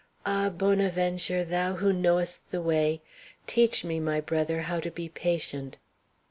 Ah! Bonaventure! thou who knowest the way teach me, my brother, how to be patient."